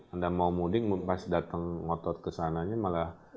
anda mau mudik pas datang ngotot kesananya malah